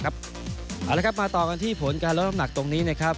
เอาละครับมาต่อกันที่ผลการลดน้ำหนักตรงนี้นะครับ